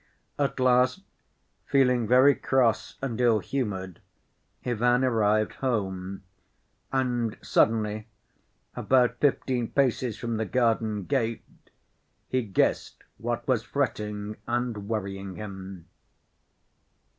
At last, feeling very cross and ill‐humored, Ivan arrived home, and suddenly, about fifteen paces from the garden gate, he guessed what was fretting and worrying him.